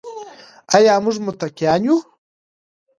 آیا موږ متقیان یو؟